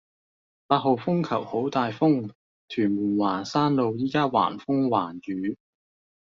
八號風球好大風，屯門環山路依家橫風橫雨